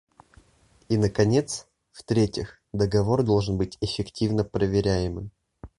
И наконец, в-третьих, договор должен быть эффективно проверяемым.